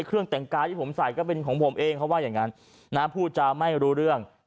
เครื่องแต่งกายที่ผมใส่ก็เป็นของผมเองเขาว่าอย่างนั้นนะพูดจาไม่รู้เรื่อง